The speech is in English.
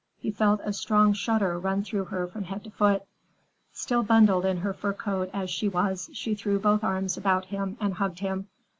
He felt a strong shudder run through her from head to foot. Still bundled in her fur coat as she was, she threw both arms about him and hugged him.